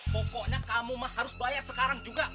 pokoknya kamu harus bayar sekarang juga